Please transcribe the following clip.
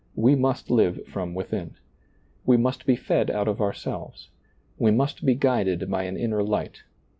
We must live from within. We must be fed out of ourselves. We must be guided by an inner light.